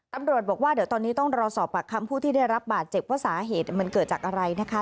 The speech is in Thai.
ตำรวจบอกว่าเดี๋ยวตอนนี้ต้องรอสอบปากคำผู้ที่ได้รับบาดเจ็บว่าสาเหตุมันเกิดจากอะไรนะคะ